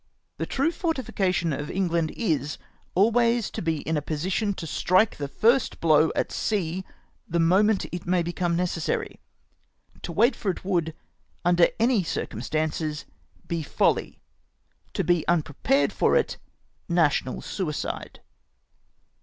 The true fortification of England is, always to be in a position to strike the first blow at sea the moment it may become necessary. To wait for it would, under any circum stances, be folly — to be unprepared for it, national suicide.